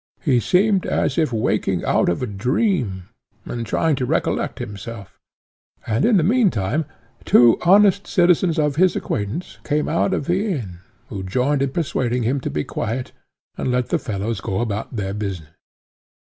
He seemed as if waking out of a dream, and trying to recollect himself. In the mean time two honest citizens, of his acquaintance, came out of the inn, who joined in persuading him to be quiet, and let the fellows go about their business.